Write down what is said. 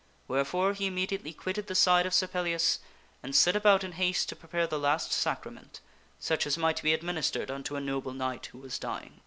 Wherefore he immediately quitted the side of Sir Pellias and set about in haste to prepare the last sacrament such as might be administered unto a noble knight who was dying.